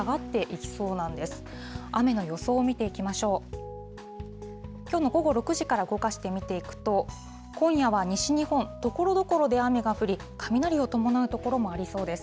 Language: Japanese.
きょうの午後６時から動かして見ていくと、今夜は西日本、ところどころで雨が降り、雷を伴う所もありそうです。